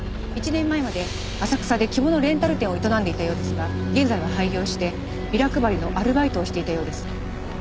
１年前まで浅草で着物レンタル店を営んでいたようですが現在は廃業してビラ配りのアルバイトをしていたようです。